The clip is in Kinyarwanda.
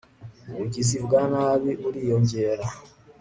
Ubugizi bwa nabi buriyongera